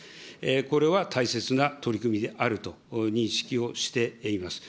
これは大切な取り組みであると認識をしています。